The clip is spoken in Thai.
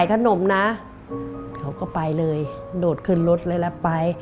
ขนมนะเขาก็ไปเลยโดดขึ้นรถเลยแล้วไป